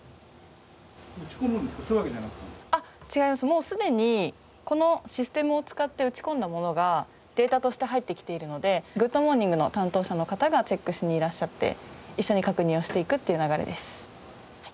もうすでにこのシステムを使って打ち込んだものがデータとして入ってきているので『グッド！モーニング』の担当者の方がチェックしにいらっしゃって一緒に確認をしていくっていう流れです。